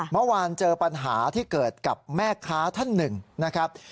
เมื่อวานเจอปัญหาที่เกิดกับแม่ค้าท่านหนึ่งนะครับ